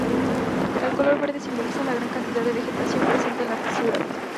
El color verde simboliza la gran cantidad de vegetación presente en la ciudad.